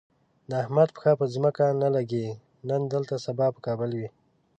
د احمد پښه په ځمکه نه لږي، نن دلته سبا په کابل وي.